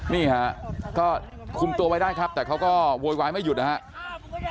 นี่ค่ะก็คุ้มตัวได้แต่เค้าก็โวยวายไม่หยุดนะฮะ